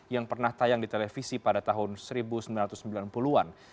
yang pernah tayang di televisi pada tahun seribu sembilan ratus sembilan puluh an